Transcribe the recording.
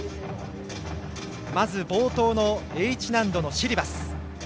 まず冒頭のＨ難度のシリバス。